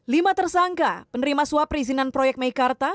lima tersangka penerima suap perizinan proyek meikarta